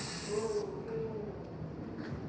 tidak memadai untuk dianalisis